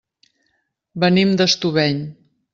Venim d'Estubeny.